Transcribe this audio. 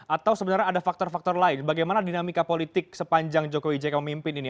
atau sebenarnya ada faktor faktor lain bagaimana dinamika politik sepanjang jokowi jk memimpin ini